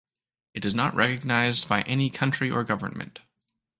It is not recognised by any country or government.